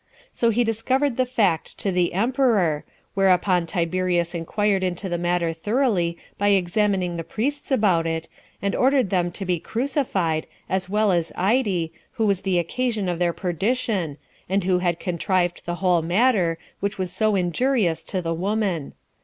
So he discovered the fact to the emperor; whereupon Tiberius inquired into the matter thoroughly by examining the priests about it, and ordered them to be crucified, as well as Ide, who was the occasion of their perdition, and who had contrived the whole matter, which was so injurious to the woman.